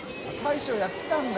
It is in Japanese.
臂やってたんだ。